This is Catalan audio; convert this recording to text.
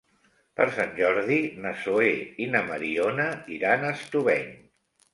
Per Sant Jordi na Zoè i na Mariona iran a Estubeny.